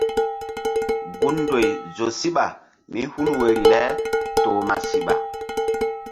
Gun ndoyri zo síɓa mí hul woyri le toh ma siɓa.